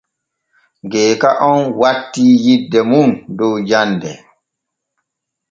Geeka on wattii yidde mum dow jande.